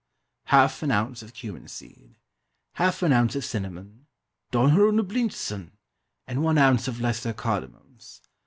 _), half an ounce of cumin seed, half an ounce of cinnamon (donner und blitzen!), and one ounce of lesser cardamoms.